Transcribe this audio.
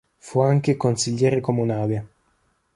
Fu anche consigliere comunale.